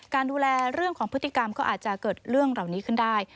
ดูแลเรื่องของพฤติกรรมก็อาจจะเกิดเรื่องเหล่านี้ขึ้นได้